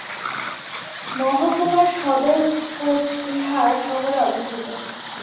মহকুমার সদর কোচবিহার শহরে অবস্থিত।